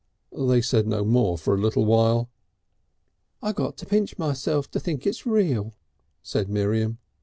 They said no more for a little while. "I got to pinch myself to think it's real," said Miriam.